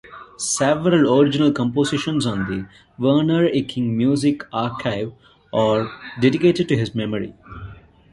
Several original compositions on the Werner Icking Music Archive are dedicated to his memory.